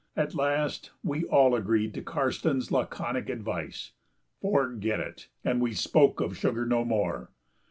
At last we all agreed to Karstens's laconic advice, "Forget it!" and we spoke of sugar no more.